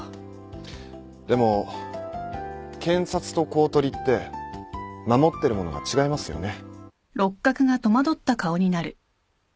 でも検察と公取って守ってるものが違いますよね。